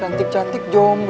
anaknya nyampai jadi p league